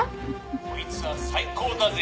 「こいつは最高だぜ」